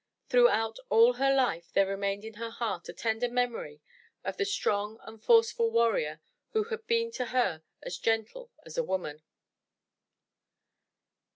Throughout all her life there remained in her heart a tender memory of the strong and forceful warrior, who had been to her as gentle as a woman.